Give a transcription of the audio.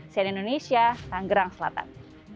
sian indonesia tangerang selatan